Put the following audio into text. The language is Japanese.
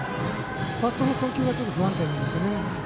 ファーストの送球が少し不安定なんですよね。